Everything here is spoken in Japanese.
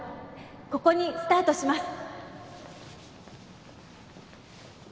ここにスタートします」